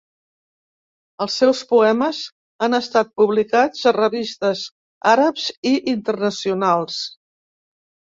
Els seus poemes han estat publicats a revistes àrabs i internacionals.